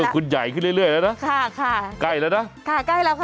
ใกล้แล้วค่ะใกล้แล้ว